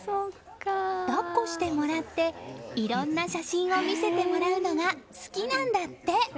抱っこしてもらっていろんな写真を見せてもらうのが好きなんだって。